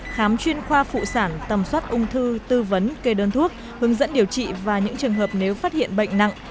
khám chuyên khoa phụ sản tầm soát ung thư tư vấn kê đơn thuốc hướng dẫn điều trị và những trường hợp nếu phát hiện bệnh nặng